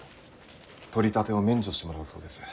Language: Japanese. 取り立てを免除してもらうそうです。